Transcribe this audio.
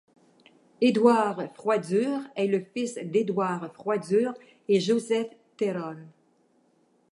Édouard Froidure est le fils d'Édouard Froidure et Josèphe Terol.